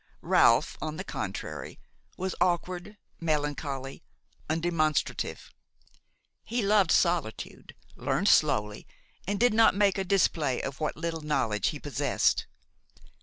Ralph, on the contrary, was awkward, melancholy, undemonstrative; he loved solitude, learned slowly and did not make a display of what little knowledge he posessed.